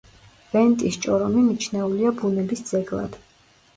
ვენტის ჭორომი მიჩნეულია ბუნების ძეგლად.